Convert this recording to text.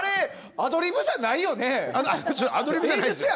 アドリブじゃないですよ。